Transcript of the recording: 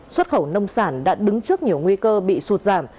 xuất khẩu nông sản đã đứng trước nhiều nguy cơ bị sụt giảm